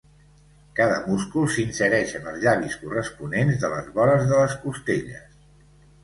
Cada múscul s'insereix en els llavis corresponents de les vores de les costelles.